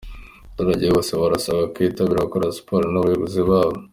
Abaturage bose barasabwa kwitabira gukora siporo n’abayobozi babo